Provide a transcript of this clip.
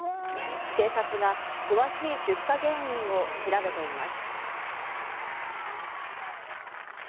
警察が詳しい出火原因を調べています。